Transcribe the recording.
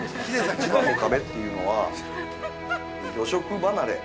◆一番の壁っていうのは魚食離れ。